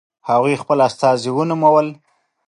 هغوی خپل استازي ونومول.